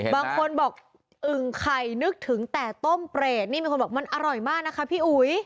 บางคนบอกอึ่งไข่นึกถึงแต่ต้มเปรตนี่มีคนบอกมันอร่อยมากนะคะพี่อุ๋ย